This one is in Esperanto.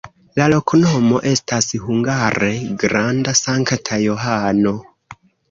La loknomo estas hungare: granda-Sankta Johano.